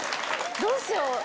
⁉どうしよう？